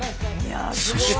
そして。